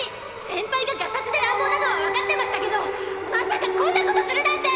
センパイががさつで乱暴なのはわかってましたけどまさかこんなことするなんて！